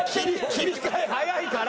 切り替え早いから！